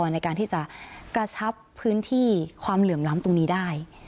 ในการที่จะกระชับพื้นที่ความเหลื่อมล้ำตรงนี้ได้